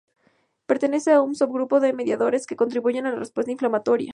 Pertenece a un subgrupo de mediadores que contribuyen a la respuesta inflamatoria.